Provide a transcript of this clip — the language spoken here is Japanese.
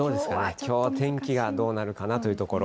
きょうは天気がどうなるかなというところ。